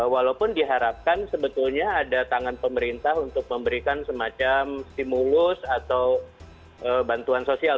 walaupun diharapkan sebetulnya ada tangan pemerintah untuk memberikan semacam stimulus atau bantuan sosial